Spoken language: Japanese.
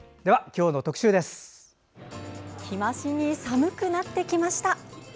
日増しに寒くなってきました。